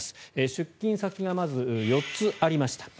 出金先がまず４つありました。